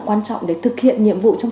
quan trọng để thực hiện nhiệm vụ trong